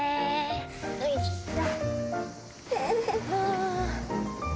よいしょ。